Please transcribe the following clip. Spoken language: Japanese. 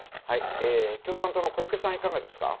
共産党の小池さん、いかがですか？